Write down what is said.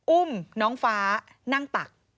อุ้มน้องฟ้านั่งตัก